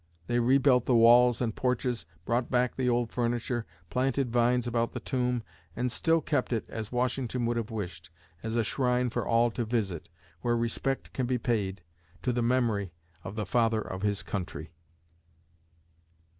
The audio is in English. They rebuilt the walls and porches, brought back the old furniture, planted vines about the tomb, and still keep it as Washington would have wished, as a shrine for all to visit, where respect can be paid to the memory of the "Father of his Country."